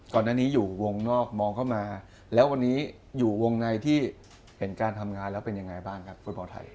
ก่อนหน้านี้อยู่วงนอกมองเข้ามาแล้ววันนี้อยู่วงในที่เห็นการทำงานแล้วเป็นยังไงบ้างครับฟุตบอลไทย